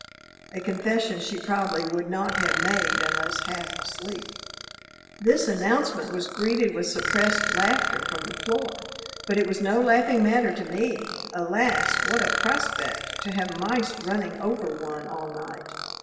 A confession she probably would not have made unless half asleep. This announcement was greeted with suppressed laughter from the floor. But it was no laughing matter to me. Alas! what a prospect to have mice running over one all night.